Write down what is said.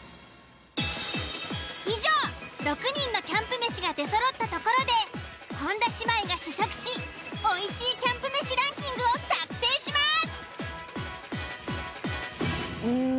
以上６人のキャンプ飯が出そろったところで本田姉妹が試食しおいしいキャンプ飯ランキングを作成します。